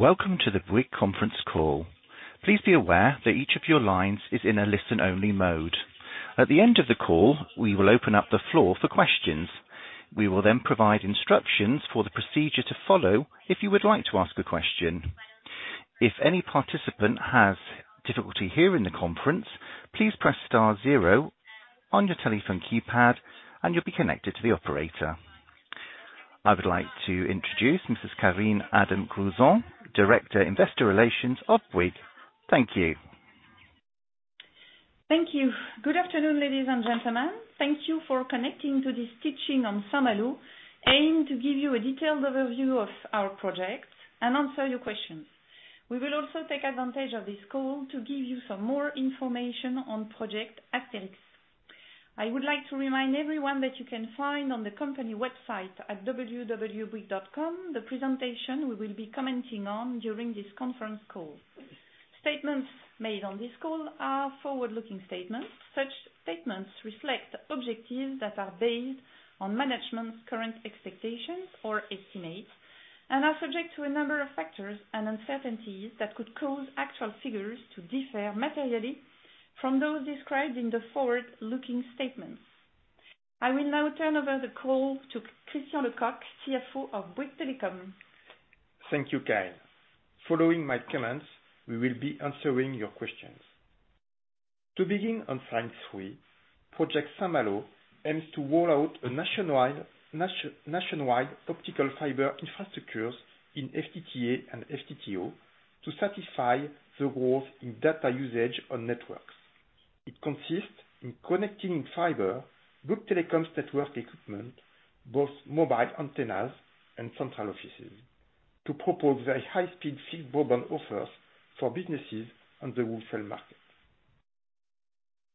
Welcome to the Bouygues conference call. Please be aware that each of your lines is in a listen-only mode. At the end of the call, we will open up the floor for questions. We will then provide instructions for the procedure to follow if you would like to ask a question. If any participant has difficulty hearing the conference, please press star zero on your telephone keypad, and you'll be connected to the operator. I would like to introduce Mrs. Karine Adam-Gruson, Director, Investor Relations of Bouygues. Thank you. Thank you. Good afternoon, ladies and gentlemen. Thank you for connecting to this teaching on Saint-Malo, aimed to give you a detailed overview of our project and answer your questions. We will also take advantage of this call to give you some more information on Project Asterix. I would like to remind everyone that you can find on the company website at www.bouygues.com the presentation we will be commenting on during this conference call. Statements made on this call are forward-looking statements. Such statements reflect objectives that are based on management's current expectations or estimates and are subject to a number of factors and uncertainties that could cause actual figures to differ materially from those described in the forward-looking statements. I will now turn over the call to Christian Lecoq, CFO of Bouygues Telecom. Thank you, Karine. Following my comments, we will be answering your questions. To begin on slide three, Project Saint-Malo aims to roll out a nationwide optical fiber infrastructures in FTTA and FTTO to satisfy the growth in data usage on networks. It consists in connecting fiber, Bouygues Telecom's network equipment, both mobile antennas and central offices, to propose very high-speed fixed broadband offers for businesses on the wholesale market.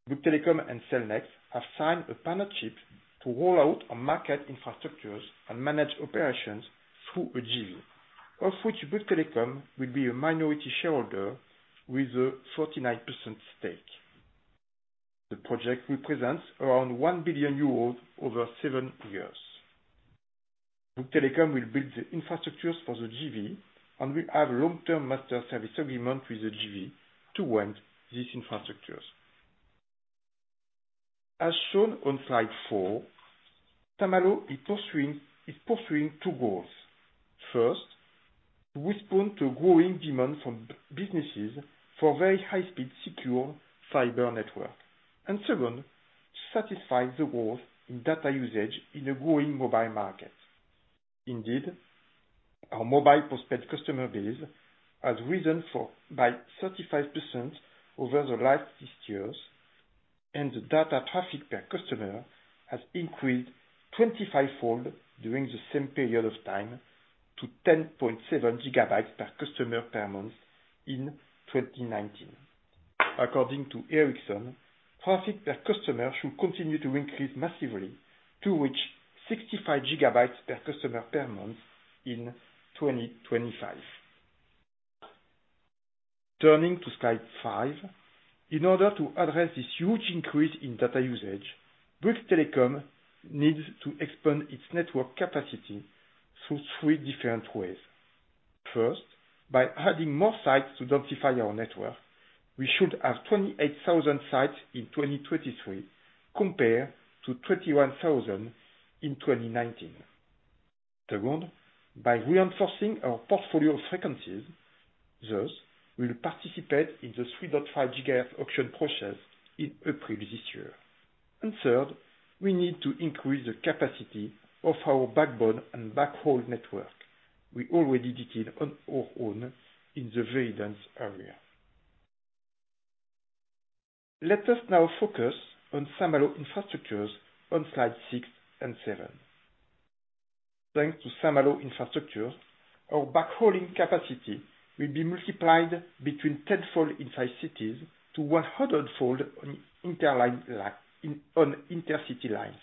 Bouygues Telecom and Cellnex have signed a partnership to roll out our market infrastructures and manage operations through a JV, of which Bouygues Telecom will be a minority shareholder with a 49% stake. The project represents around 1 billion euros over seven years. Bouygues Telecom will build the infrastructures for the JV and will have a long-term master service agreement with the JV to run these infrastructures. As shown on slide four, Saint-Malo is pursuing two goals. First, to respond to growing demand from businesses for very high-speed, secure fiber network. Second, to satisfy the growth in data usage in a growing mobile market. Indeed, our mobile postpaid customer base has risen by 35% over the last six years, and the data traffic per customer has increased 25-fold during the same period of time to 10.7 GB per customer per month in 2019. According to Ericsson, traffic per customer should continue to increase massively to reach 65 GB per customer per month in 2025. Turning to slide five. In order to address this huge increase in data usage, Bouygues Telecom needs to expand its network capacity through three different ways. First, by adding more sites to densify our network. We should have 28,000 sites in 2023, compared to 21,000 in 2019. Second, by reinforcing our portfolio of frequencies. Thus, we'll participate in the 3.5 GHz auction process in April this year. Third, we need to increase the capacity of our backbone and backhaul network. We already did it on our own in the very dense area. Let us now focus on Saint-Malo infrastructures on slides six and seven. Thanks to Saint-Malo infrastructures, our backhauling capacity will be multiplied between tenfold inside cities to one hundredfold on intercity lines.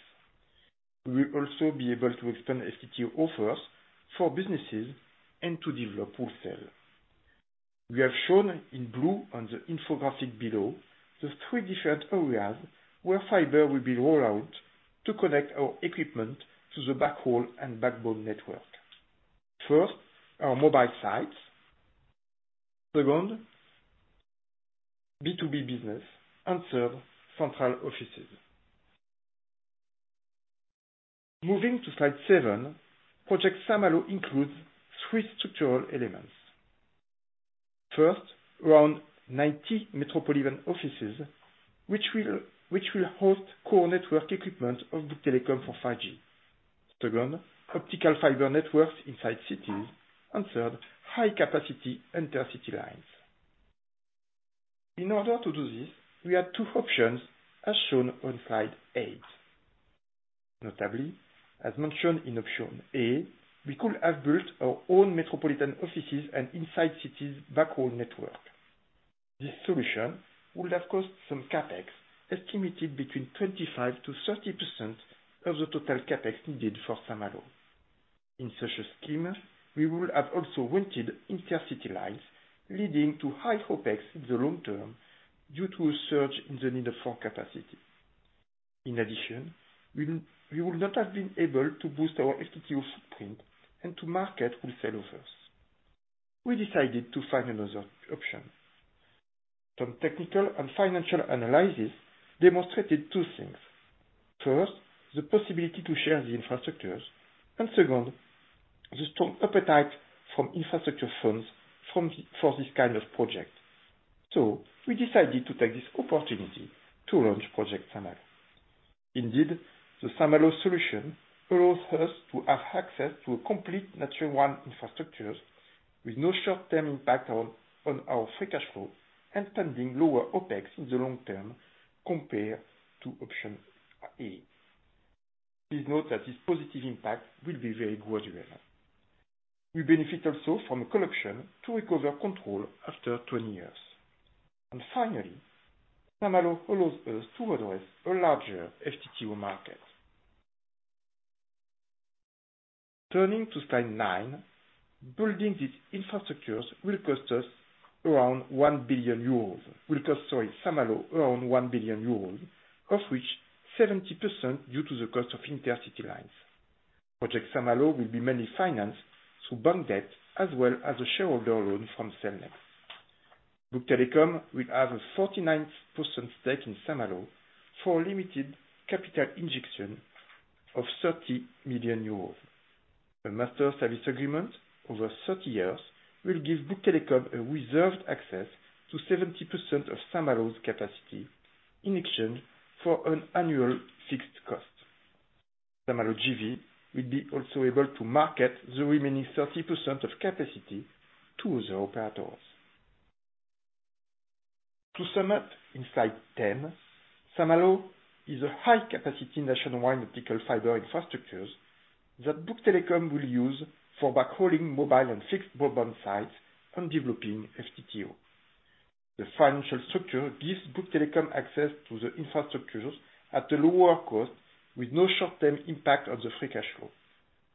We will also be able to expand FTTO offers for businesses and to develop wholesale. We have shown in blue on the infographic below the three different areas where fiber will be rolled out to connect our equipment to the backhaul and backbone network. First, our mobile sites. Second, B2B business. Third, central offices. Moving to slide seven, Project Saint-Malo includes three structural elements. First, around 90 metropolitan offices, which will host core network equipment of Bouygues Telecom for 5G. Second, optical fiber networks inside cities. Third, high-capacity intercity lines. In order to do this, we have two options as shown on slide eight. Notably, as mentioned in Option A, we could have built our own metropolitan offices and inside cities backhaul network. This solution would have cost some CapEx estimated between 25%-30% of the total CapEx needed for Saint-Malo. In such a scheme, we would have also rented intercity lines leading to high OpEx in the long term due to a surge in the need for capacity. In addition, we would not have been able to boost our FTTO footprint and to market wholesale offers. We decided to find another option. Some technical and financial analysis demonstrated two things. First, the possibility to share the infrastructures, second, the strong appetite from infrastructure funds for this kind of project. We decided to take this opportunity to launch Project Saint-Malo. Indeed, the Saint-Malo solution allows us to have access to a complete national WAN infrastructures with no short-term impact on our free cash flow and pending lower OPEX in the long term compared to option A. Please note that this positive impact will be very gradual. We benefit also from a call option to recover control after 20 years. Finally, Saint-Malo allows us to address a larger FTTO market. Turning to slide nine, building these infrastructures will cost Saint-Malo around EUR 1 billion, of which 70% due to the cost of intercity lines. Project Saint-Malo will be mainly financed through bank debt as well as a shareholder loan from Cellnex. Bouygues Telecom will have a 49% stake in Saint-Malo for a limited capital injection of 30 million euros. A master service agreement over 30 years will give Bouygues Telecom a reserved access to 70% of Saint-Malo's capacity in exchange for an annual fixed cost. Saint-Malo JV will be also able to market the remaining 30% of capacity to the operators. To sum up in slide 10, Saint-Malo is a high-capacity national WAN optical fiber infrastructures that Bouygues Telecom will use for backhauling mobile and fixed broadband sites and developing FTTO. The financial structure gives Bouygues Telecom access to the infrastructures at a lower cost with no short-term impact on the free cash flow.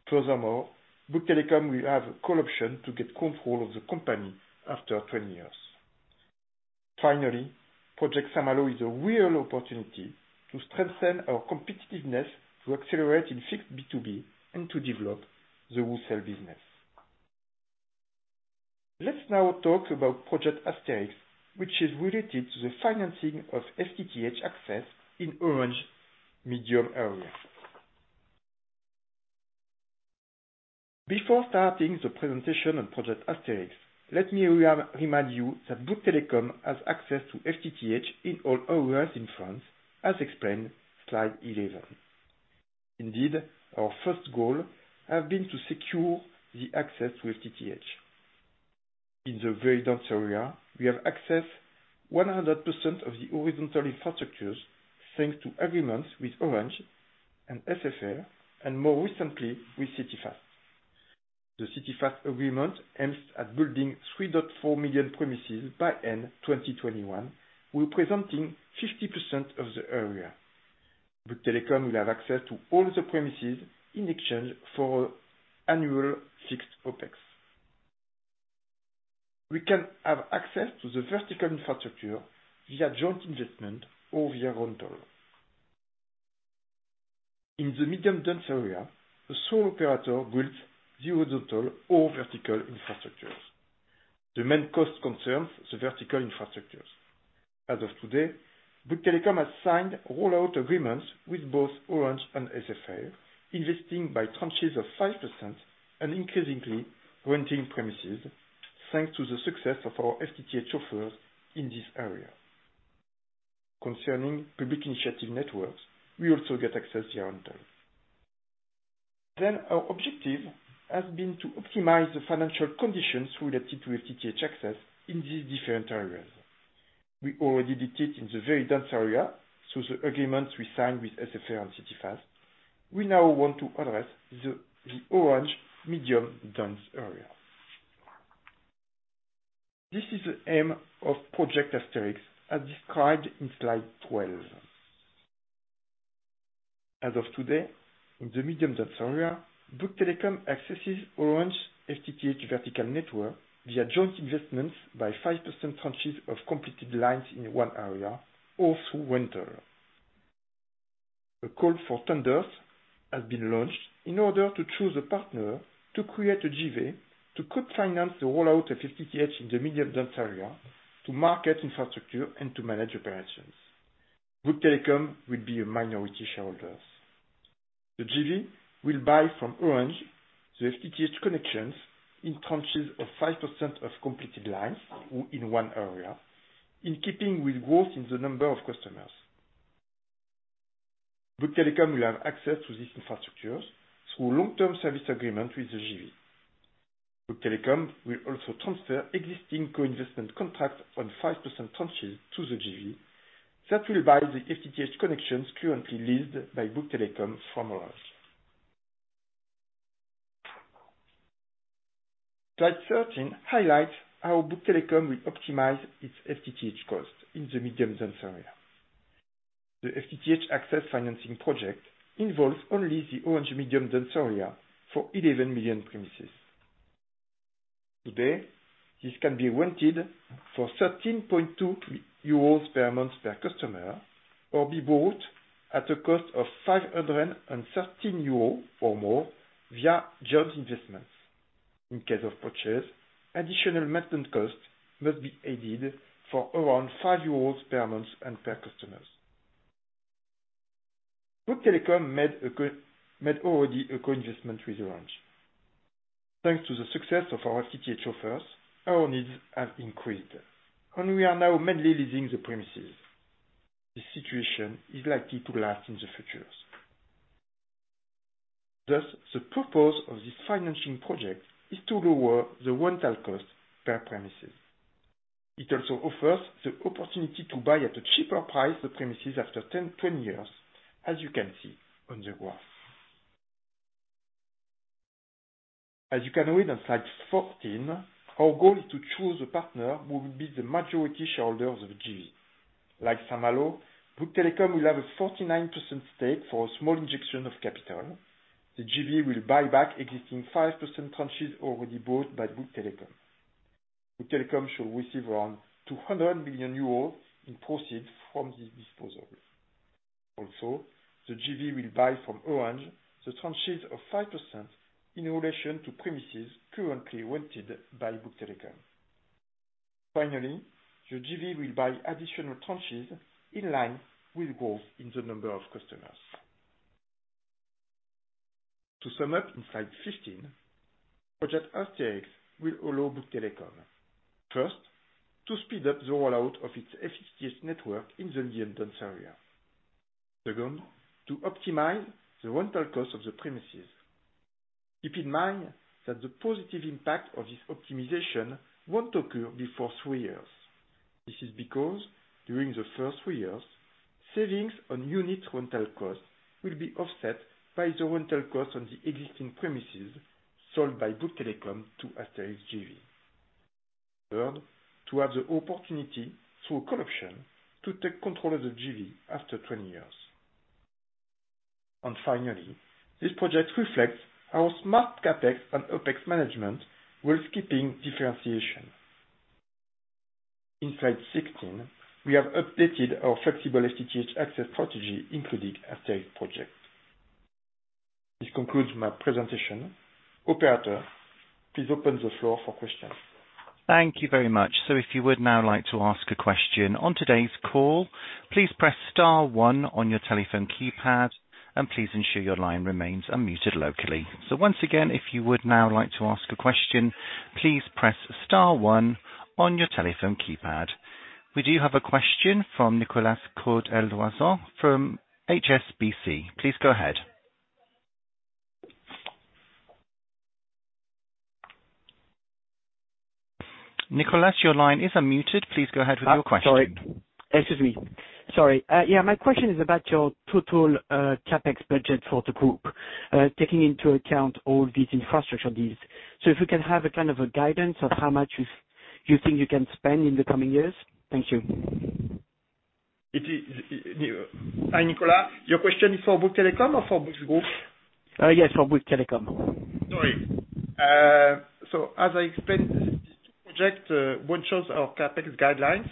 Furthermore, Bouygues Telecom will have a call option to get control of the company after 20 years. Finally, Project Saint-Malo is a real opportunity to strengthen our competitiveness, to accelerate in fixed B2B, and to develop the wholesale business. Let's now talk about Project Asterix, which is related to the financing of FTTH access in Orange medium areas. Before starting the presentation on Project Asterix, let me remind you that Bouygues Telecom has access to FTTH in all areas in France as explained, slide 11. Indeed, our first goal has been to secure the access to FTTH. In the very dense area, we have access 100% of the horizontal infrastructures thanks to agreements with Orange and SFR, and more recently with CityFast. The CityFast agreement aims at building 3.4 million premises by end 2021, representing 50% of the area. Bouygues Telecom will have access to all the premises in exchange for annual fixed OPEX. We can have access to the vertical infrastructure via joint investment or via rental. In the medium dense area, a sole operator builds the horizontal or vertical infrastructures. The main cost concerns the vertical infrastructures. As of today, Bouygues Telecom has signed rollout agreements with both Orange and SFR, investing by tranches of 5% and increasingly renting premises, thanks to the success of our FTTH offers in this area. Concerning public initiative networks, we also get access here on terms. Our objective has been to optimize the financial conditions related to FTTH access in these different areas. We already did it in the very dense area, so the agreements we signed with SFR and CityFast, we now want to address the Orange medium dense area. This is the aim of Project Asterix, as described in slide 12. As of today, in the medium dense area, Bouygues Telecom accesses Orange FTTH vertical network via joint investments by 5% tranches of completed lines in one area or through rental. A call for tenders has been launched in order to choose a partner to create a JV to co-finance the rollout of FTTH in the medium dense area, to market infrastructure and to manage operations. Bouygues Telecom will be a minority shareholder. The JV will buy from Orange the FTTH connections in tranches of 5% of completed lines in one area, in keeping with growth in the number of customers. Bouygues Telecom will have access to these infrastructures through long-term service agreement with the JV. Bouygues Telecom will also transfer existing co-investment contracts on 5% tranches to the JV that will buy the FTTH connections currently leased by Bouygues Telecom from Orange. Slide 13 highlights how Bouygues Telecom will optimize its FTTH cost in the medium dense area. The FTTH access financing project involves only the Orange medium dense area for 11 million premises. Today, this can be rented for 13.2 euros per month per customer or be bought at a cost of 513 euros or more via joint investments. In case of purchase, additional maintenance costs must be added for around five EUR per month and per customers. Bouygues Telecom made already a co-investment with Orange. Thanks to the success of our FTTH offers, our needs have increased, we are now mainly leasing the premises. This situation is likely to last in the future. Thus, the purpose of this financing project is to lower the rental cost per premises. It also offers the opportunity to buy at a cheaper price the premises after 10, 20 years, as you can see on the graph. As you can read on slide 14, our goal is to choose a partner who will be the majority shareholder of the JV. Like Saint-Malo, Bouygues Telecom will have a 49% stake for a small injection of capital. The JV will buy back existing 5% tranches already bought by Bouygues Telecom. Bouygues Telecom shall receive around 200 million euros in proceeds from this disposal. Also, the JV will buy from Orange the tranches of 5% in relation to premises currently rented by Bouygues Telecom. Finally, the JV will buy additional tranches in line with growth in the number of customers. To sum up in slide 15, project Asterix will allow Bouygues Telecom, first, to speed up the rollout of its FTTH network in the medium dense area. Second, to optimize the rental cost of the premises. Keep in mind that the positive impact of this optimization won't occur before three years. This is because during the first three years, savings on unit rental costs will be offset by the rental costs on the existing premises sold by Bouygues Telecom to Asterix JV. Third, to have the opportunity, through a call option, to take control of the JV after 20 years. Finally, this project reflects our smart CapEx and OPEX management whilst keeping differentiation. In slide 16, we have updated our flexible FTTH access strategy, including Asterix project. This concludes my presentation. Operator, please open the floor for questions. Thank you very much. If you would now like to ask a question on today's call, please press star one on your telephone keypad, and please ensure your line remains unmuted locally. Once again, if you would now like to ask a question, please press star one on your telephone keypad. We do have a question from Nicolas Cote-Colisson from HSBC. Please go ahead. Nicolas, your line is unmuted. Please go ahead with your question. Sorry. Excuse me. Sorry. Yeah, my question is about your total CapEx budget for the group, taking into account all these infrastructure deals. If we can have a kind of a guidance of how much you think you can spend in the coming years. Thank you. Hi, Nicolas. Your question is for Bouygues Telecom or for Bouygues group? Yes, for Bouygues Telecom. Sorry. As I explained, this project won't change our CapEx guidelines,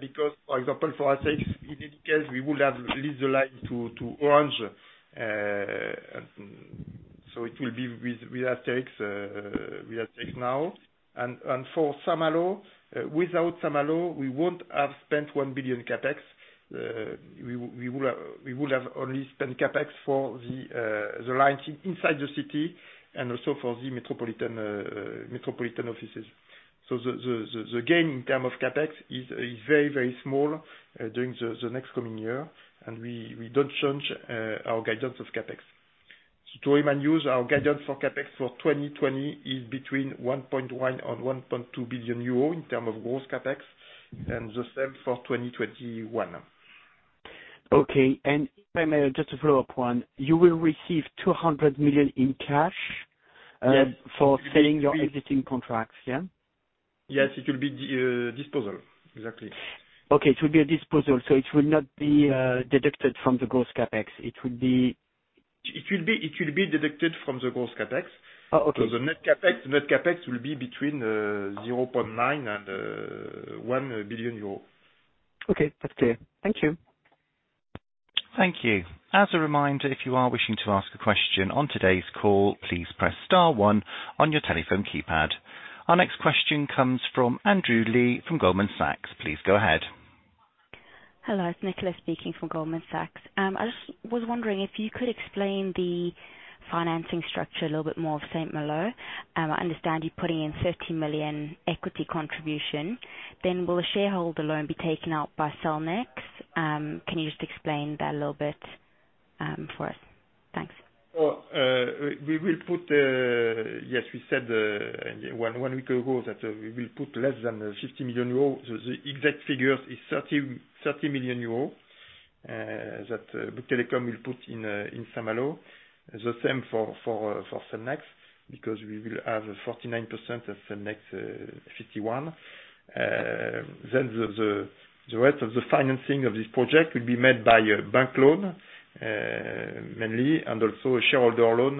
because for example, for Asterix, in any case, we would have leased the line to Orange. It will be with Asterix now. For Saint-Malo, without Saint-Malo, we won't have spent 1 billion CapEx. We would have only spent CapEx for the lines inside the city and also for the metropolitan offices. The gain in term of CapEx is very, very small during the next coming year, and we don't change our guidance of CapEx. To remain use our guidance for CapEx for 2020 is between 1.1 billion and 1.2 billion euro in term of gross CapEx and the same for 2021. Okay, if I may, just a follow-up one. You will receive 200 million in cash. Yes. For selling your existing contracts, yeah? Yes, it will be disposal. Exactly. Okay, it will be a disposal. It will not be deducted from the gross CapEx. It will be deducted from the gross CapEx. Oh, okay. The net CapEx will be between 0.9 billion and 1 billion euros. Okay, that's clear. Thank you. Thank you. As a reminder, if you are wishing to ask a question on today's call, please press star one on your telephone keypad. Our next question comes from Andrew Lee from Goldman Sachs. Please go ahead. Hello, it's Nicola speaking from Goldman Sachs. I just was wondering if you could explain the financing structure a little bit more of Saint-Malo. I understand you're putting in 30 million equity contribution. Will the shareholder loan be taken out by Cellnex? Can you just explain that a little bit for us? Thanks. Yes, we said one week ago that we will put less than 50 million euros. The exact figure is 30 million euros, that Bouygues Telecom will put in Saint-Malo. The same for Cellnex, because we will have 49% of Cellnex 51. The rest of the financing of this project will be made by a bank loan, mainly, and also a shareholder loan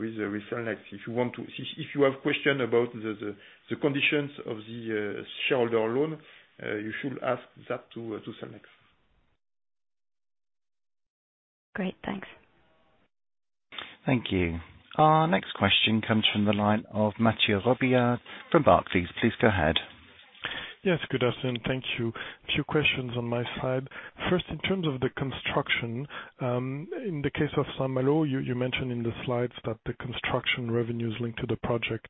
with Cellnex. If you have questions about the conditions of the shareholder loan, you should ask that to Cellnex. Great, thanks. Thank you. Our next question comes from the line of Mathieu Robilliard from Barclays. Please go ahead. Yes, good afternoon. Thank you. Few questions on my side. First, in terms of the construction, in the case of Saint-Malo, you mentioned in the slides that the construction revenues linked to the project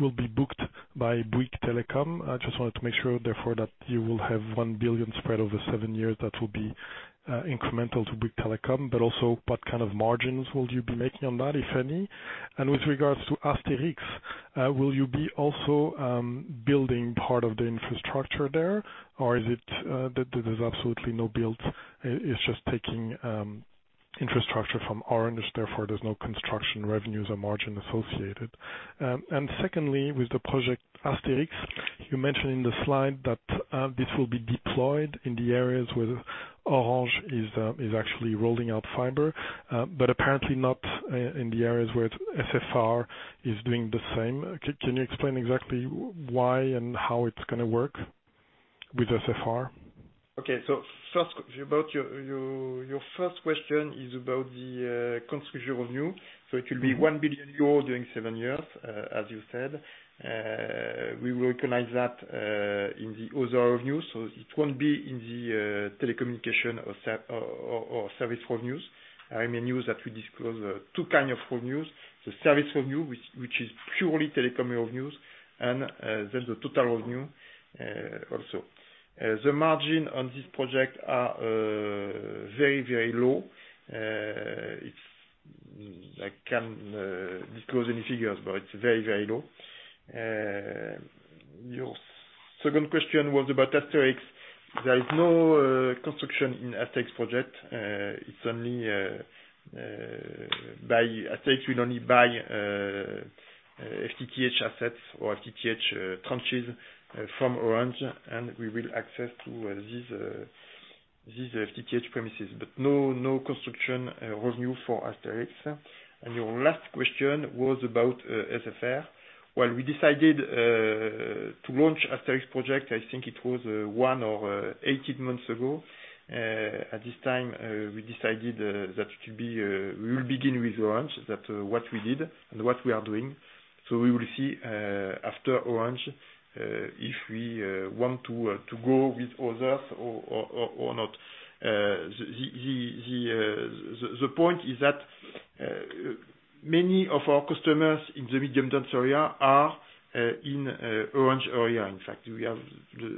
will be booked by Bouygues Telecom. I just wanted to make sure, therefore, that you will have 1 billion spread over seven years that will be incremental to Bouygues Telecom. Also, what kind of margins will you be making on that, if any? With regards to Asterix, will you be also building part of the infrastructure there? Is it that there's absolutely no build, it's just taking infrastructure from Orange, therefore there's no construction revenues or margin associated? Secondly, with the Project Asterix, you mentioned in the slide that this will be deployed in the areas where Orange is actually rolling out fiber, but apparently not in the areas where SFR is doing the same. Can you explain exactly why and how it's going to work with SFR? Okay. First, about your first question is about the construction revenue. It will be 1 billion euro during seven years, as you said. We will recognize that in the other revenues. It won't be in the telecommunication or service revenues. I mean, news that we disclose two kinds of revenues, the service revenue, which is purely telecommunications news, and then the total revenue also. The margin on this project are very, very low. I can't disclose any figures, but it's very, very low. Your second question was about Asterix. There is no construction in Asterix project. Asterix will only buy FTTH assets or FTTH tranches from Orange, and we will access to these FTTH premises. No construction revenue for Asterix. Your last question was about SFR. Well, we decided to launch Asterix project, I think it was one or 18 months ago. At this time, we decided that we will begin with Orange. That's what we did and what we are doing. We will see after Orange, if we want to go with others or not. The point is that many of our customers in the medium dense area are in Orange area.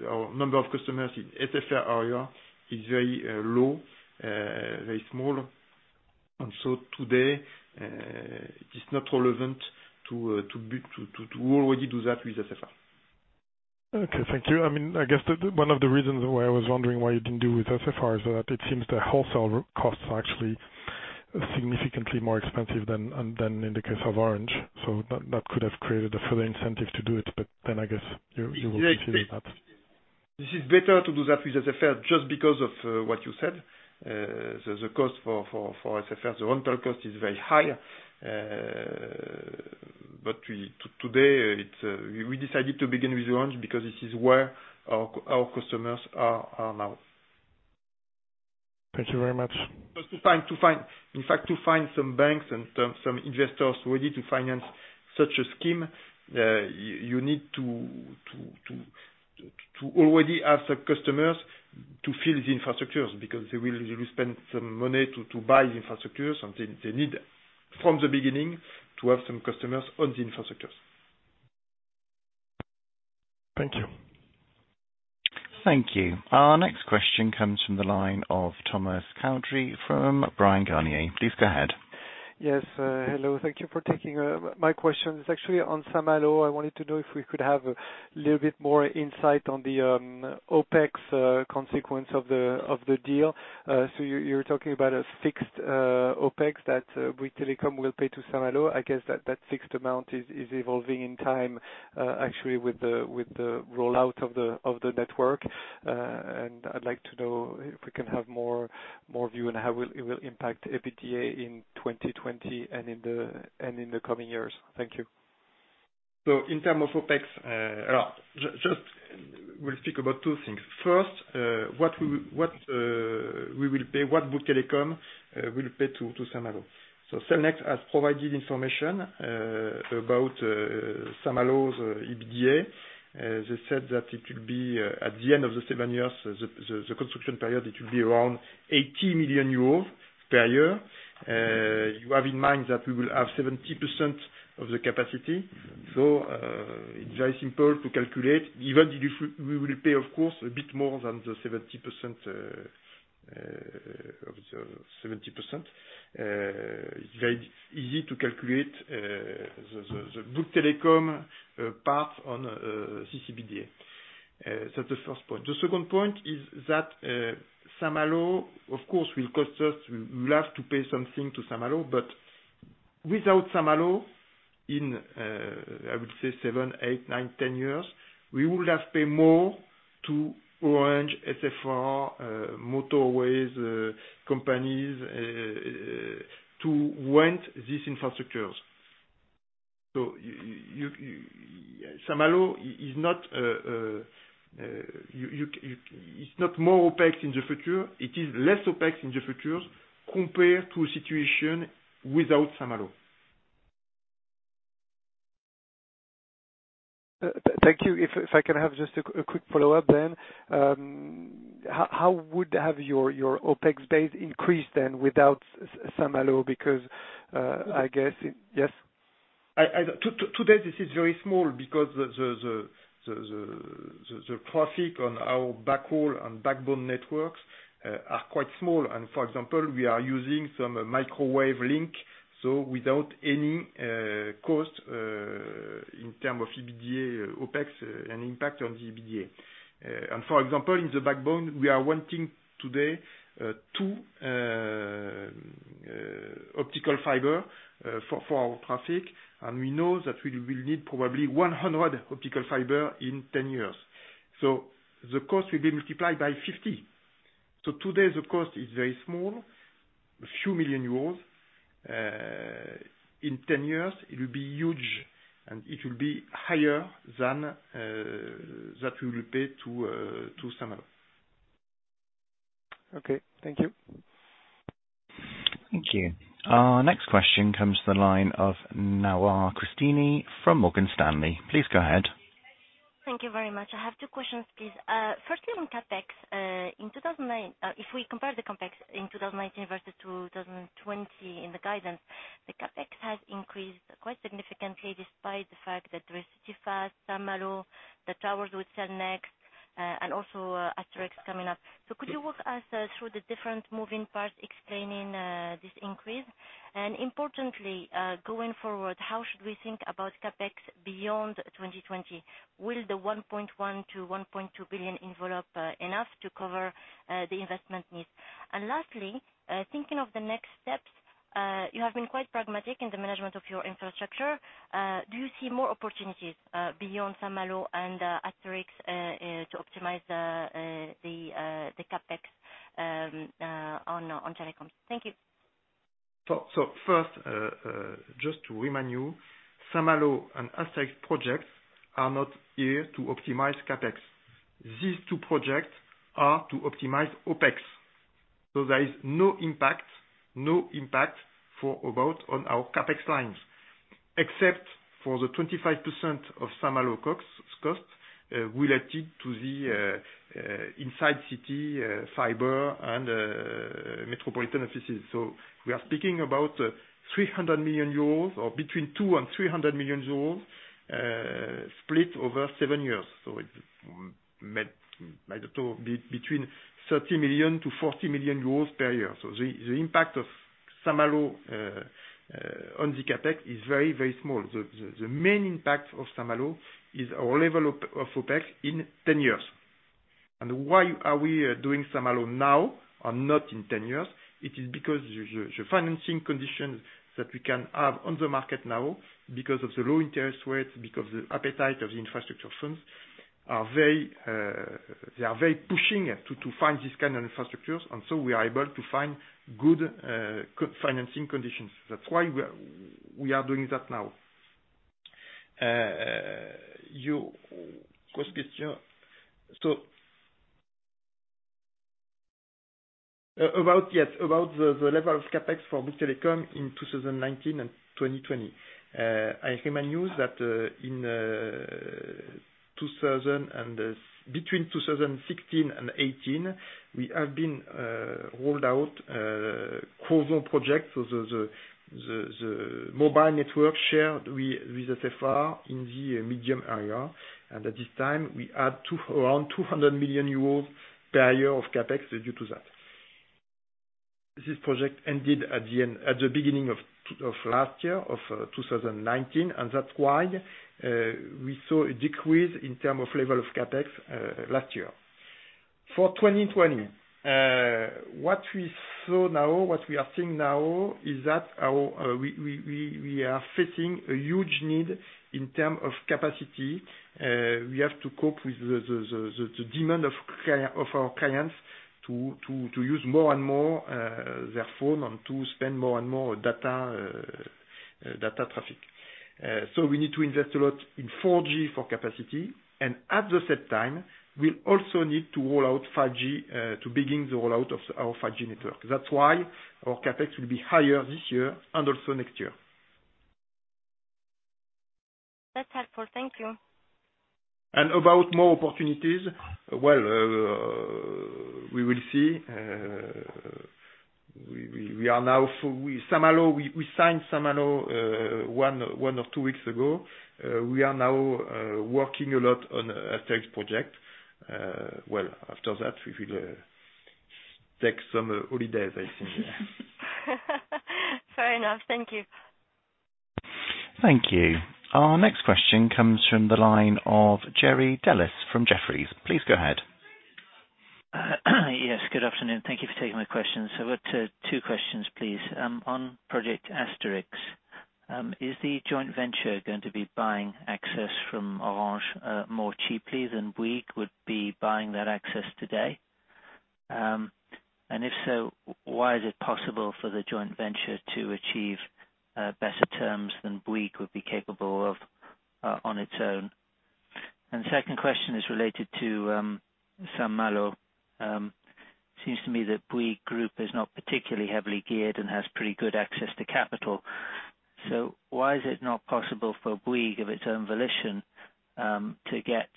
Our number of customers in SFR area is very low, very small. Today it is not relevant to already do that with SFR. Okay, thank you. I guess one of the reasons why I was wondering why you didn't do with SFR is that it seems the wholesale costs are actually significantly more expensive than in the case of Orange. That could have created a further incentive to do it. I guess you will consider that. This is better to do that with SFR just because of what you said. The cost for SFR, the rental cost is very high. Today, we decided to begin with Orange because this is where our customers are now. Thank you very much. In fact, to find some banks and some investors ready to finance such a scheme, you need to already have the customers to fill the infrastructures because they will spend some money to buy the infrastructure. They need from the beginning to have some customers on the infrastructures. Thank you. Thank you. Our next question comes from the line of Thomas Coudry from Bryan, Garnier. Please go ahead. Yes, hello. Thank you for taking my question. It's actually on Saint-Malo. I wanted to know if we could have a little bit more insight on the OPEX consequence of the deal. You're talking about a fixed OPEX that Bouygues Telecom will pay to Saint-Malo. I guess that fixed amount is evolving in time, actually, with the rollout of the network. I'd like to know if we can have more view on how it will impact EBITDA in 2020 and in the coming years. Thank you. In term of OPEX, just we'll speak about two things. First, what we will pay, what Bouygues Telecom will pay to Saint-Malo. Cellnex has provided information about Saint-Malo's EBITDA. They said that it will be at the end of the seven years, the construction period, it will be around 80 million euros per year. You have in mind that we will have 70% of the capacity. It's very simple to calculate. Even we will pay, of course, a bit more than the 70%. It's very easy to calculate the Bouygues Telecom part on EBITDA. That's the first point. The second point is that Saint-Malo, of course, we will have to pay something to Saint-Malo. Without Saint-Malo, in I would say seven, eight, nine, 10 years, we would have paid more to Orange, SFR, motorways companies to rent these infrastructures. Saint-Malo is not more OPEX in the future, it is less OPEX in the future compared to a situation without Saint-Malo. Thank you. If I can have just a quick follow-up then. How would have your OPEX base increased then without Saint-Malo? Yes. Today this is very small because the traffic on our backhaul and backbone networks are quite small. For example, we are using some microwave link, so without any cost, in terms of EBITDA, OPEX, an impact on the EBITDA. For example, in the backbone, we are wanting today, two optical fiber for our traffic, and we know that we will need probably 100 optical fiber in 10 years. The cost will be multiplied by 50. Today the cost is very small, a few million EUR. In 10 years it will be huge, and it will be higher than that we will pay to Saint-Malo. Okay. Thank you. Thank you. Our next question comes to the line of Nawar Cristini from Morgan Stanley. Please go ahead. Thank you very much. I have two questions, please. Firstly, on CapEx. If we compare the CapEx in 2019 versus 2020 in the guidance, the CapEx has increased quite significantly despite the fact that there is CityFast, Saint-Malo, the towers with Cellnex, and also Asterix coming up. Could you walk us through the different moving parts explaining this increase? Importantly, going forward, how should we think about CapEx beyond 2020? Will the 1.1 billion-1.2 billion envelope enough to cover the investment needs? Lastly, thinking of the next steps, you have been quite pragmatic in the management of your infrastructure. Do you see more opportunities beyond Saint-Malo and Asterix to optimize the CapEx on telecoms? Thank you. First, just to remind you, Saint-Malo and Asterix projects are not here to optimize CapEx. These two projects are to optimize OPEX. There is no impact, no impact for Bouygues on our CapEx lines, except for the 25% of Saint-Malo cost related to the inside city fiber and metropolitan offices. We are speaking about 300 million euros, or between two and 300 million euros, split over seven years. Between 30 million to 40 million euros per year. The impact of Saint-Malo on the CapEx is very small. The main impact of Saint-Malo is our level of OPEX in 10 years. Why are we doing Saint-Malo now and not in 10 years? It is because the financing conditions that we can have on the market now, because of the low interest rates, because the appetite of the infrastructure funds, they are very pushing to find this kind of infrastructures. We are able to find good financing conditions. That's why we are doing that now. Your cost question. About the level of CapEx for Bouygues Telecom in 2019 and 2020. I remind you that between 2016 and 2018, we have been rolled out Crozon project. The mobile network shared with SFR in the medium area. At this time we had around 200 million euros per year of CapEx due to that. This project ended at the beginning of last year, of 2019, and that's why we saw a decrease in terms of level of CapEx last year. For 2020, what we are seeing now is that we are facing a huge need in terms of capacity. We have to cope with the demand of our clients to use more and more their phone and to spend more and more data traffic. We need to invest a lot in 4G for capacity. At the same time, we'll also need to roll out 5G to begin the rollout of our 5G network. That's why our CapEx will be higher this year and also next year. That's helpful. Thank you. About more opportunities. Well, we will see. We signed Saint-Malo one or two weeks ago. We are now working a lot on Asterix project. Well, after that we will take some holidays, I think. Fair enough. Thank you. Thank you. Our next question comes from the line of Jerry Dellis from Jefferies. Please go ahead. Yes, good afternoon. Thank you for taking my questions. I have got two questions, please. On Project Asterix, is the joint venture going to be buying access from Orange more cheaply than Bouygues would be buying that access today? If so, why is it possible for the joint venture to achieve better terms than Bouygues would be capable of on its own? Second question is related to Saint-Malo. It seems to me that Bouygues group is not particularly heavily geared and has pretty good access to capital. Why is it not possible for Bouygues, of its own volition, to get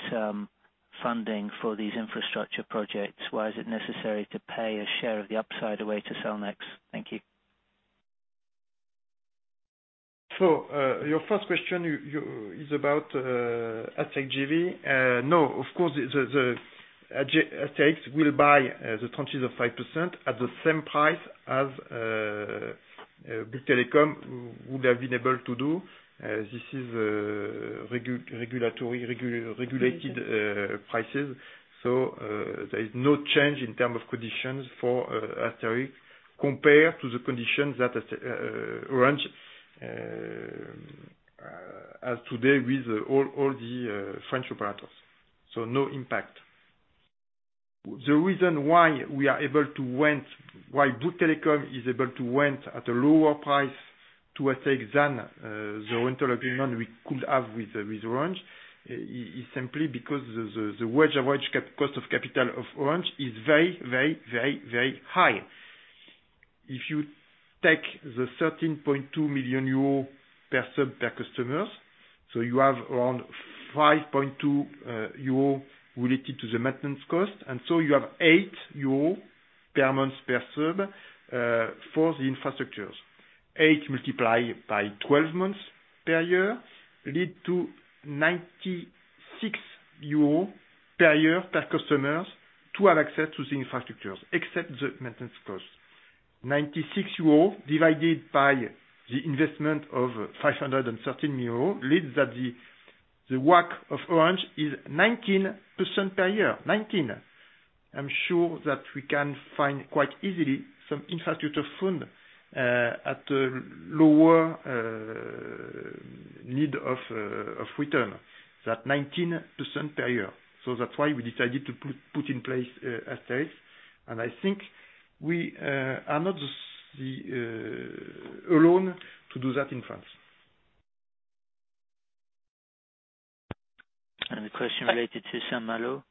funding for these infrastructure projects? Why is it necessary to pay a share of the upside away to Cellnex? Thank you. Your first question is about Asterix JV. No, of course, Asterix will buy the 25% at the same price as Bouygues Telecom would have been able to do. This is regulated prices. There is no change in terms of conditions for Asterix compared to the conditions that Orange has today with all the French operators. No impact. The reason why Bouygues Telecom is able to rent at a lower price to Asterix than the rental agreement we could have with Orange is simply because the weighted average cost of capital of Orange is very high. If you take the 13.2 million euro per sub per customers, so you have around 5.2 euro related to the maintenance cost, and so you have 8 euro per month per sub for the infrastructures. Eight multiply by 12 months per year lead to 96 euros per year per customers to have access to the infrastructures, except the maintenance cost. 96 euro divided by the investment of 513 euro leads that the WACC of Orange is 19% per year. 19. I'm sure that we can find quite easily some infrastructure fund at a lower need of return, that 19% per year. That's why we decided to put in place Asterix, and I think we are not alone to do that in France. The question related to Saint-Malo?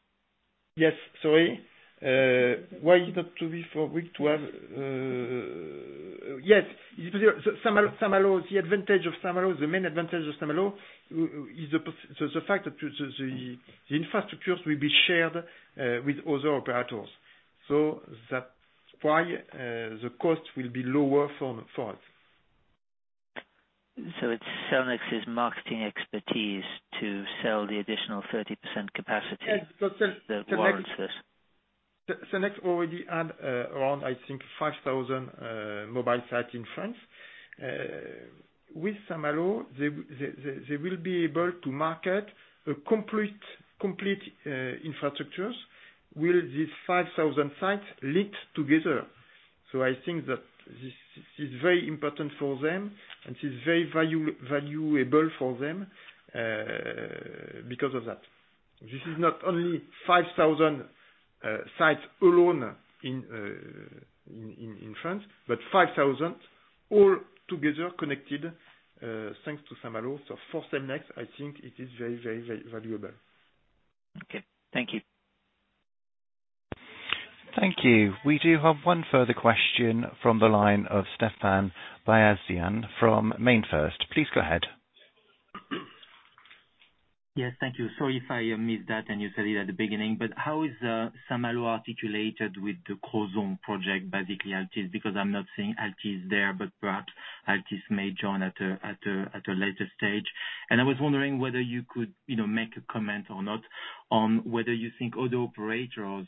Yes. Sorry. Why is it to be for week 12? Yes. The main advantage of Saint-Malo is the fact that the infrastructures will be shared with other operators. That's why the cost will be lower for us. It's Cellnex's marketing expertise to sell the additional 30% capacity that warrants this. Cellnex already had around, I think, 5,000 mobile sites in France. With Saint-Malo, they will be able to market the complete infrastructures with these 5,000 sites linked together. I think that this is very important for them, and this is very valuable for them because of that. This is not only 5,000 sites alone in France, but 5,000 all together connected, thanks to Saint-Malo. For Cellnex, I think it is very valuable. Okay. Thank you. Thank you. We do have one further question from the line of Stephane Beyazian from MainFirst. Please go ahead. Yes. Thank you. Sorry if I missed that and you said it at the beginning, but how is Saint-Malo articulated with the Crozon project by Altice? I'm not seeing Altice there, but perhaps Altice may join at a later stage. I was wondering whether you could make a comment or not on whether you think other operators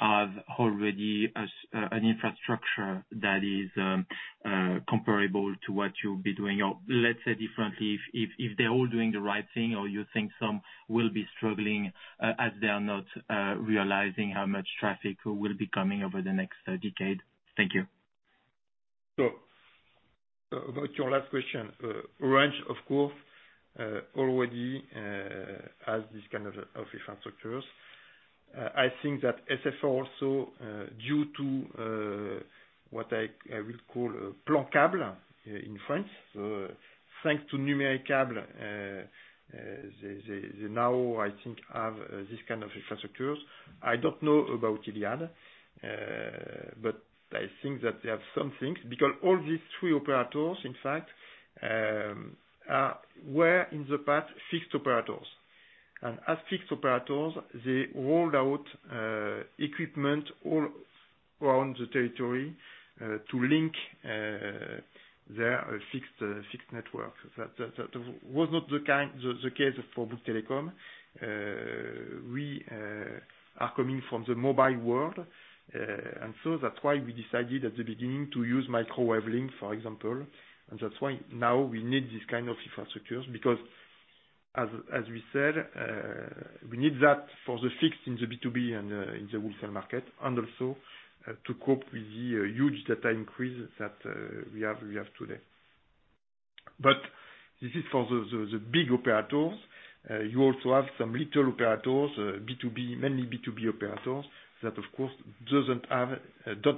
have already an infrastructure that is comparable to what you'll be doing. Let's say differently, if they're all doing the right thing, or you think some will be struggling as they are not realizing how much traffic will be coming over the next decade. Thank you. About your last question, Orange, of course, already has this kind of infrastructures. I think that SFR also, due to what I will call Plan Câble in France. Thanks to Numericable, they now, I think, have this kind of infrastructures. I don't know about Iliad, but I think that they have some things, because all these three operators, in fact, were in the past fixed operators. As fixed operators, they rolled out equipment all around the territory to link their fixed network. That was not the case for Bouygues Telecom. We are coming from the mobile world, and so that's why we decided at the beginning to use microwave link, for example. That's why now we need this kind of infrastructures, because, as we said, we need that for the fixed in the B2B and in the wholesale market, also to cope with the huge data increase that we have today. This is for the big operators. You also have some little operators, mainly B2B operators, that of course don't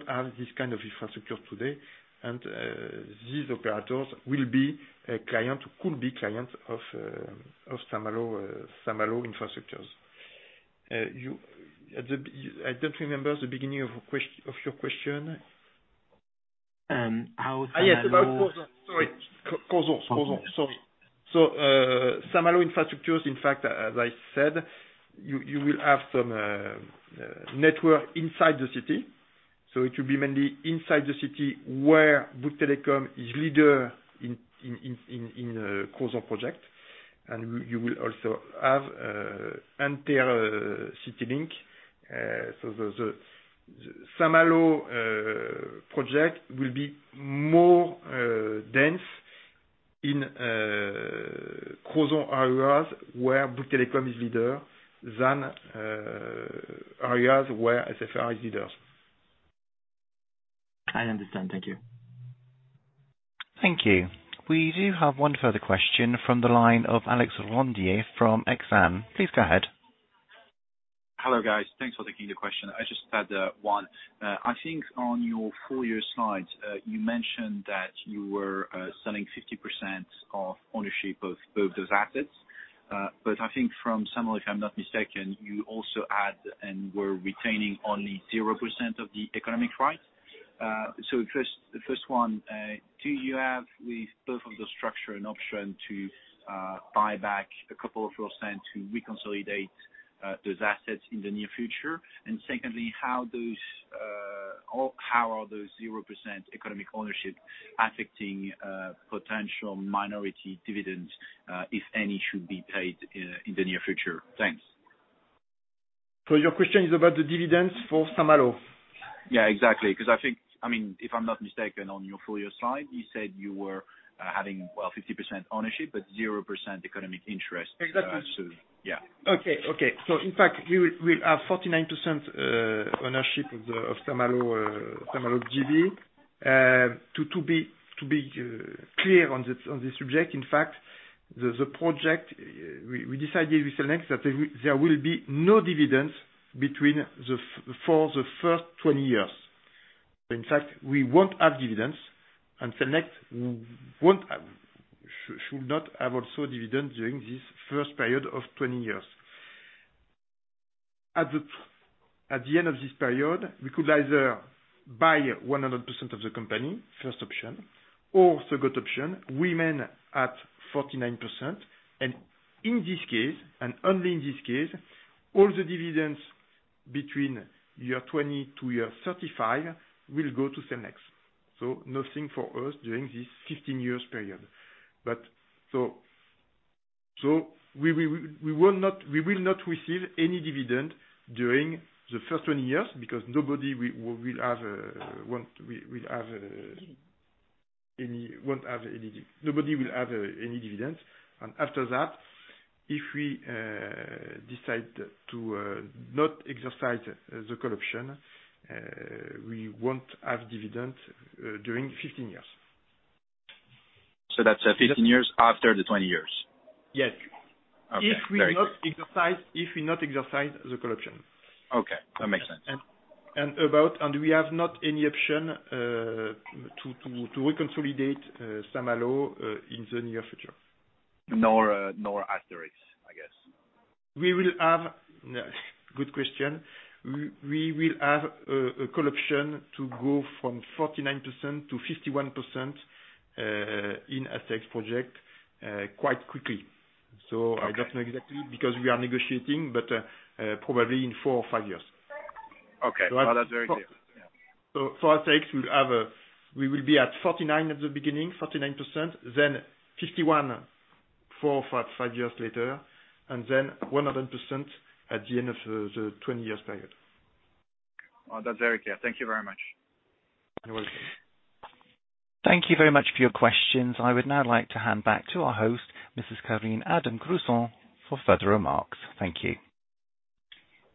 have this kind of infrastructure today, these operators could be clients of Saint-Malo infrastructures. I don't remember the beginning of your question. How Saint-Malo- Yes, about Crozon. Saint-Malo infrastructures, in fact, as I said, you will have some network inside the city. It will be mainly inside the city where Bouygues Telecom is leader in Crozon project. You will also have intercity link. The Saint-Malo project will be more dense in Crozon areas where Bouygues Telecom is leader, than areas where SFR is leader. I understand. Thank you. Thank you. We do have one further question from the line of Alexandre Rondot from Exane. Please go ahead. Hello, guys. Thanks for taking the question. I just had one. I think on your full year slides, you mentioned that you were selling 50% of ownership of both those assets. I think from Saint-Malo, if I'm not mistaken, you also add and were retaining only 0% of the economic right. Just the first one, do you have, with both of the structure and option to buy back a couple of percent to reconsolidate those assets in the near future? Secondly, how are those 0% economic ownership affecting potential minority dividends, if any, should be paid in the near future? Thanks. Your question is about the dividends for Saint-Malo? Yeah, exactly. Because I think, if I'm not mistaken, on your full year slide, you said you were having, well, 50% ownership but 0% economic interest. Exactly. Yeah. In fact, we have 49% ownership of Saint-Malo JV. To be clear on this subject, in fact, the project we decided with Cellnex that there will be no dividends for the first 20 years. In fact, we won't have dividends, and Cellnex should not have also dividend during this first period of 20 years. At the end of this period, we could either buy 100% of the company, first option. Second option, remain at 49%, and in this case, and only in this case, all the dividends between year 20 to year 35 will go to Cellnex. Nothing for us during this 15 years period. We will not receive any dividend during the first 20 years because nobody will have any dividend. After that, if we decide to not exercise the call option, we won't have dividend during 15 years. That's 15 years after the 20 years? Yes. Okay. Very clear. If we not exercise the call option. Okay. That makes sense. We have not any option to reconsolidate Saint-Malo in the near future. Nor Asterix, I guess. Good question. We will have a call option to go from 49%-51% in Asterix project quite quickly. I don't know exactly because we are negotiating, but probably in four or five years. Okay. That's very clear. Yeah. For Asterix, we will be at 49 at the beginning, 49%, then 51%, four or five years later, and then 100% at the end of the 20 years period. That's very clear. Thank you very much. You're welcome. Thank you very much for your questions. I would now like to hand back to our host, Mrs. Karine Adam-Gruson, for further remarks. Thank you.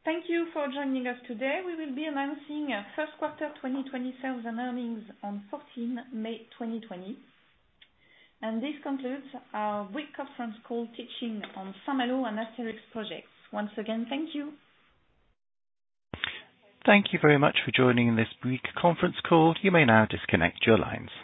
Thank you for joining us today. We will be announcing our first quarter 2020 sales and earnings on 14th May 2020. This concludes our brief conference call teaching on Saint-Malo and Asterix projects. Once again, thank you. Thank you very much for joining this brief conference call. You may now disconnect your lines.